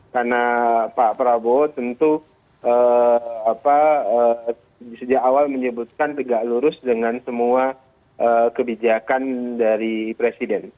karena pak prabowo tentu sejak awal menyebutkan tegak lurus dengan semua kebijakan dari presiden